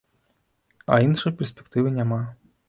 А іншай перспектывы няма.